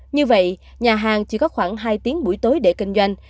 như vậy nhà hàng chỉ có khoảng hai tiếng buổi tối để kinh doanh